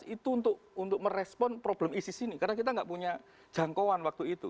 itu untuk merespon problem isis ini karena kita nggak punya jangkauan waktu itu